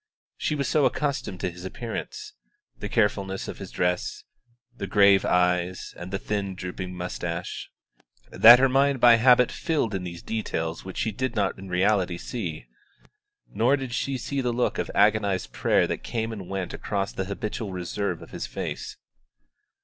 She was so accustomed to his appearance the carefulness of his dress, the grave eyes, and the thin, drooping moustache that her mind by habit filled in these details which she did not in reality see; nor did she see the look of agonised prayer that came and went across the habitual reserve of his face.